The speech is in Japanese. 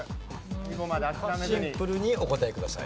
シンプルにお答えください。